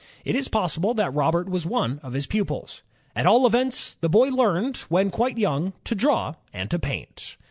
It is possible that Robert was one of his pupils. At aU events, the boy learned, when quite young, to draw and to paint.